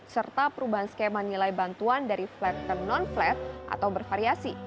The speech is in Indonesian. serta perubahan skema nilai bantuan dari flat ke non flat atau bervariasi